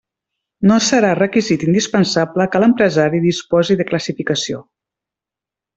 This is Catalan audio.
No serà requisit indispensable que l'empresari disposi de classificació.